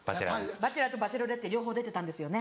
『バチェラー』と『バチェロレッテ』両方出てたんですよね。